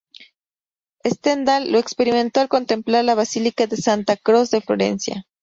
Stendhal lo experimentó al contemplar la basílica de Santa Croce de Florencia.